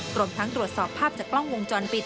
รวมทั้งตรวจสอบภาพจากกล้องวงจรปิด